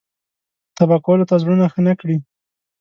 تبا کولو ته زړونه ښه نه کړي.